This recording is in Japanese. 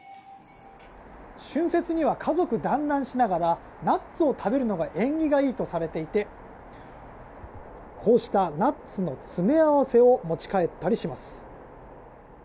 春節には家族団らんしながらナッツを食べるのが縁起がいいとされていてこうしたナッツの詰め合わせを持ち帰ったりします。